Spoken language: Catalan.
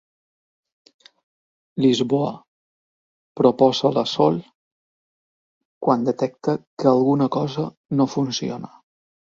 Lisboa —proposa la Sol, quan detecta que alguna cosa no funciona.